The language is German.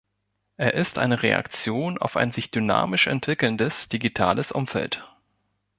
Er ist eine Reaktion auf ein sich dynamisch entwickelndes digitales Umfeld.